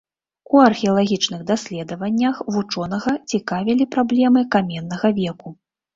У археалагічных даследаваннях вучонага цікавілі праблемы каменнага веку.